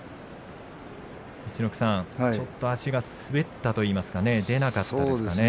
陸奥さん、ちょっと足が滑ったといいますかね出なかったですね。